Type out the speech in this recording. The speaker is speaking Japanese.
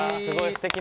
すてき。